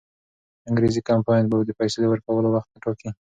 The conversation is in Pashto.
انګریزي کمپانۍ به د پیسو د ورکولو وخت ټاکي.